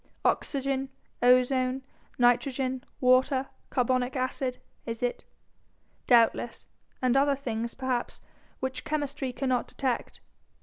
Oxygen, ozone, nitrogen, water, carbonic acid, is it? Doubtless and other things, perhaps, which chemistry cannot detect.